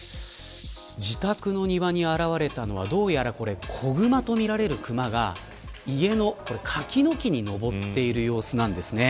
自宅の庭に現れたのはどうやら子グマとみられるクマが家の柿の木に登っている様子なんですね。